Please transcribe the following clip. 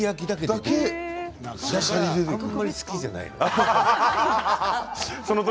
あんまり好きじゃないの。